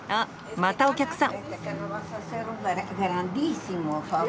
またお客さん。